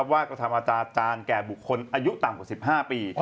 กระทำอาณาจารย์แก่บุคคลอายุต่ำกว่า๑๕ปี